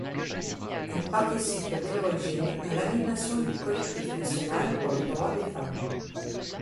Elle participe dès l’origine à l’animation du Collectif national pour les droits des femmes.